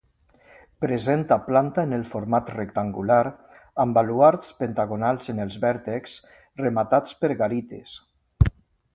Presenta planta en el format rectangular, amb baluards pentagonals en els vèrtexs, rematats per garites.